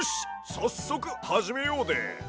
さっそくはじめようで！